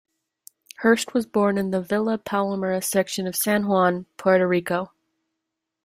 Hurst was born in the Villa Palmera section of San Juan, Puerto Rico.